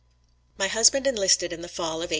My husband enlisted in the Fall of 1861.